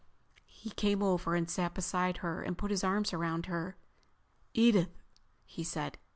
He came over and sat beside her and put his arms around her. "Edith," he said.